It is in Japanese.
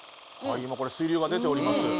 今これ水流が出ております。